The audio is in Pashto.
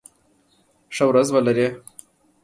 ښه ورځ ولری